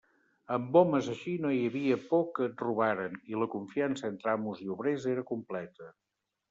Amb homes així no hi havia por que et robaren, i la confiança entre amos i obrers era completa.